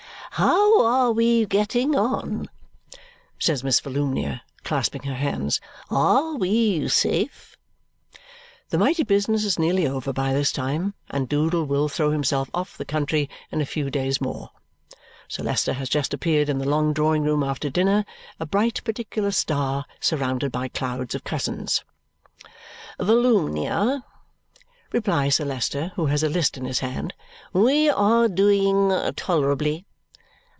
"How are we getting on?" says Miss Volumnia, clasping her hands. "ARE we safe?" The mighty business is nearly over by this time, and Doodle will throw himself off the country in a few days more. Sir Leicester has just appeared in the long drawing room after dinner, a bright particular star surrounded by clouds of cousins. "Volumnia," replies Sir Leicester, who has a list in his hand, "we are doing tolerably."